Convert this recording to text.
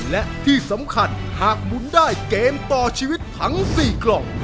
และที่สำคัญหากหมุนได้เกมต่อชีวิตทั้ง๔กล่อง